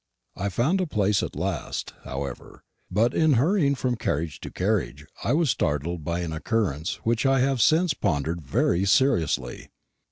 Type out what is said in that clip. I found a place at last, however; but in hurrying from carriage to carriage I was startled by an occurrence which I have since pondered very seriously.